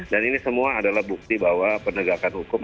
dan ini semua adalah bukti bahwa penegakan hukum